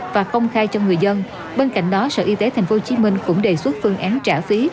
và công khai cho người dân bên cạnh đó sở y tế tp hcm cũng đề xuất phương án trả phí